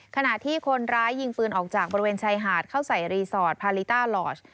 ขณะที่คนร้ายยิงปืนออกจากบริเวณชายหาดเข้าใส่รีสอร์ทพาลิต้าลอช